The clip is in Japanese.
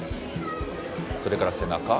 それから背中。